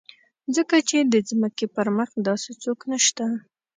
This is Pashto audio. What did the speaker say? ځکه چې د ځمکې پر مخ داسې څوک نشته.